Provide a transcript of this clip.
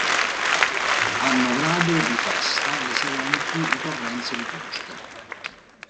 Hanno grado di festa le seguenti ricorrenze liturgiche.